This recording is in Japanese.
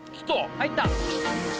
入った！